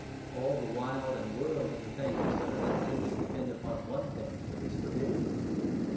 All the wild and whirling things that are let loose depend upon one thing that is forbidden.